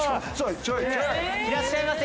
いらっしゃいませ。